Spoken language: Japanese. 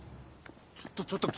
ちょっとちょっと君！